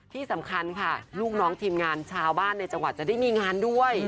ที่สำคัญค่ะลูกน้องทีมงานชาวบ้านในจังหวัดจะได้มีงานด้วย